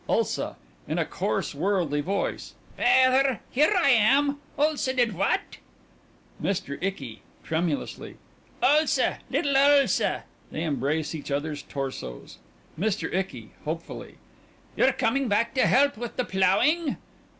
_) ULSA: (In a coarse, worldly voice) Feyther! Here I am! Ulsa did what? MR. ICKY: (Tremulously) Ulsa, little Ulsa. (They embrace each other's torsos.) MR. ICKY: (Hopefully) You've come back to help with the ploughing.